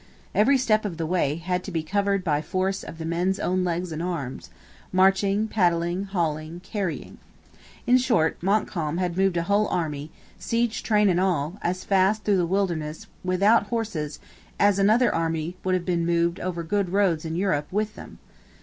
Every step of the way had to be covered by force of the men's own legs and arms, marching, paddling, hauling, carrying. In short, Montcalm had moved a whole army, siege train and all, as fast through the wilderness without horses as another army would have been moved over good roads in Europe with them.